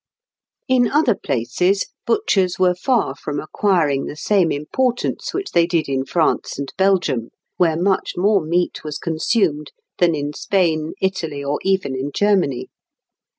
In other places butchers were far from acquiring the same importance which they did in France and Belgium (Figs. 90 and 91), where much more meat was consumed than in Spain, Italy, or even in Germany.